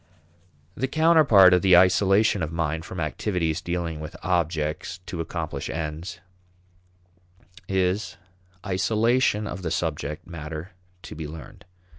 The counterpart of the isolation of mind from activities dealing with objects to accomplish ends is isolation of the subject matter to be learned.